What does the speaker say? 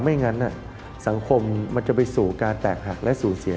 ไม่งั้นสังคมมันจะไปสู่การแตกหักและสูญเสีย